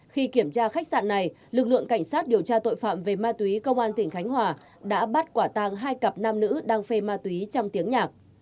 khi kiểm tra khách sạn này lực lượng cảnh sát điều tra tội phạm về ma túy công an tỉnh khánh hòa đã bắt quả tàng hai cặp nam nữ đang phê ma túy trong tiếng nhạc